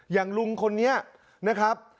อย่างลุงคนนี้นะครับ